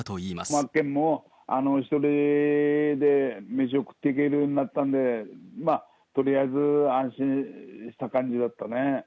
真剣佑も一人で飯を食っていけるようになったんで、とりあえず安心した感じだったね。